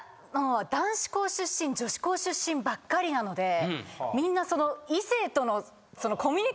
男子校出身女子校出身ばっかりなのでみんな。